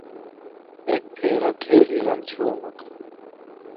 اݵک فݵرݳ کھݵل ارَم چھݸمَکݳ